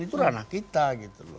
itu ranah kita gitu loh